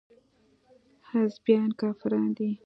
حزبيان کافران دي.